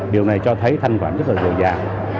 điều này cho thấy thanh khoản rất là dồi dào